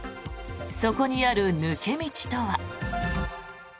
そこにある抜け道とは。